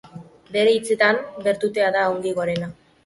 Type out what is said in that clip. Bere hitzetan, bertutea da ongi gorena.